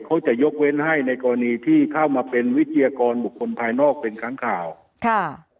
เขาจะยกเว้นให้ในกรณีที่เข้ามาเป็นวิทยากรบุคคลภายนอกเป็นครั้งข่าวค่ะ